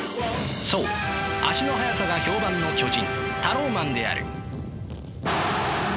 そう足の速さが評判の巨人タローマンである。